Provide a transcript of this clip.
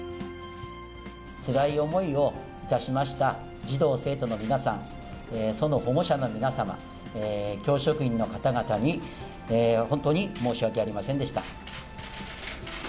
つらい思いをいたしました児童・生徒の皆さん、その保護者の皆様、教職員の方々に、本当に申し訳ありませんでした。